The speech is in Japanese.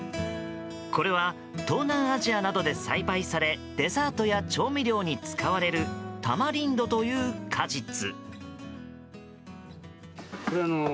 これは東南アジアなどで栽培されデザートや調味料に使われるタマリンドという果実。